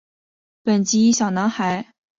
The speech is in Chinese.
本集以小男孩阿宝和魔法狗老皮为主角。